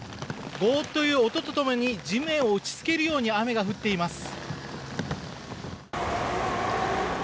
ゴーッという音とともに地面を打ちつけるように雨が降っています。